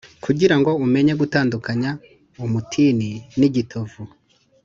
Kugira ngo umenye gutandukanya umutini n igitovu